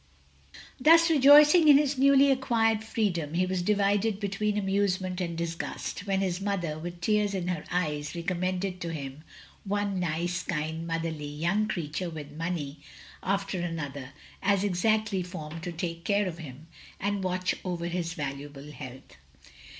Thus rejoicing in his newly acquired freedom, he was divided between amusement and disgust, when his mother, with tears in her eyes, recom mended to him one nice, kind, motherly, young creature (with money) after another, as exactly formed to take care of him, and watch over his valtiable health.